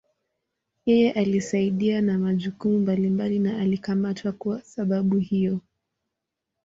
Yeye alisaidia na majukumu mbalimbali na alikamatwa kuwa sababu hiyo.